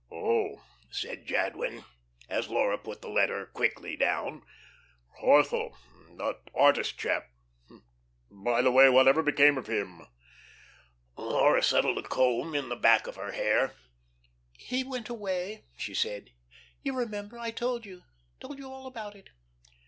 '" "Oh," said Jadwin, as Laura put the letter quickly down, "Corthell that artist chap. By the way, whatever became of him?" Laura settled a comb in the back of her hair. "He went away," she said. "You remember I told you told you all about it."